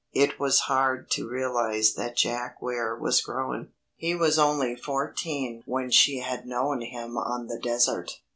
It was hard to realize that Jack Ware was grown. He was only fourteen when she had known him on the desert.